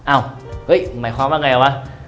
อ้าวเฮ้ยหมายความว่าไงวะ